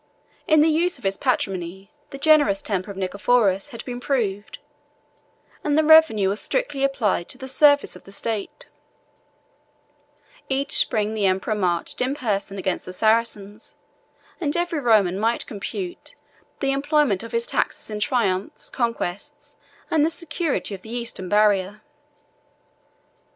In the use of his patrimony, the generous temper of Nicephorus had been proved; and the revenue was strictly applied to the service of the state: each spring the emperor marched in person against the Saracens; and every Roman might compute the employment of his taxes in triumphs, conquests, and the security of the Eastern barrier.